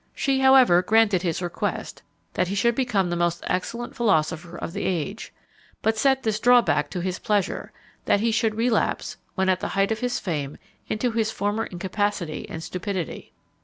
She, however, granted his request, that he should become the most excellent philosopher of the age; but set this drawback to his pleasure, that he should relapse, when at the height of his fame, into his former incapacity and stupidity.